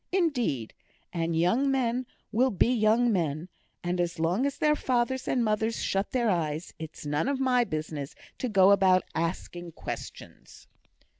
Indeed, and young men will be young men; and, as long as their fathers and mothers shut their eyes, it's none of my business to go about asking questions."